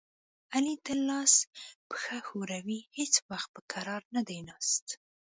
علي تل لاس پښه ښوروي، هېڅ وخت په کرار نه دی ناست.